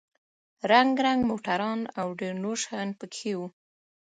رنگ رنگ موټران او ډېر نور شيان پکښې وو.